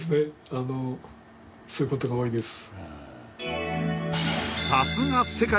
あのそういうことが多いです